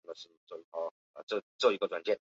克劳奇是一位英格兰足球总会认证的足球教练。